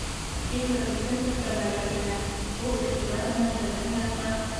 Сильвер икенсе кәмәлә ине, ул иғтибар менән беҙҙең яҡҡа